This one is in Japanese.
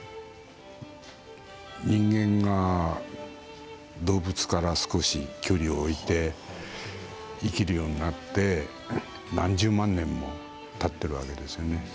人間が動物から少し距離を置いて生きるようになって何十万年もたっているわけですよね。